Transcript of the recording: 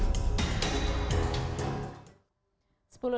tim liputan cnn indonesia